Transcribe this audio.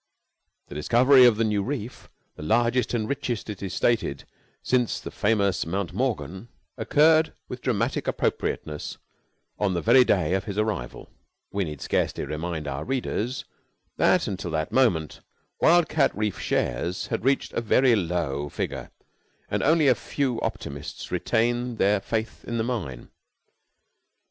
The discovery of the new reef, the largest and richest, it is stated, since the famous Mount Morgan, occurred with dramatic appropriateness on the very day of his arrival. We need scarcely remind our readers that, until that moment, Wild cat Reef shares had reached a very low figure, and only a few optimists retained their faith in the mine.